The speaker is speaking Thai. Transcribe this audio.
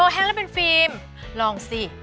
แห้งแล้วเป็นฟิล์มลองสิ